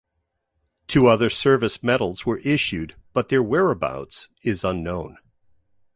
Two other service medals were issued but their whereabouts is unknown.